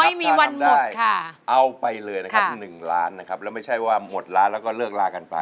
ไม่มีวันเลยเอาไปเลยนะครับ๑ล้านนะครับแล้วไม่ใช่ว่าหมดล้านแล้วก็เลิกลากันไป